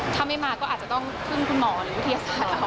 ถ้าไม่มาก็อาจจะต้องพึ่งคุณหมอหรือวิทยาศาสตร์